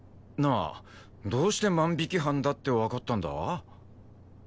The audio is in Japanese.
なあどうして万引き犯だってわかったんだ？